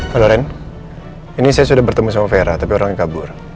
haloren ini saya sudah bertemu sama vera tapi orangnya kabur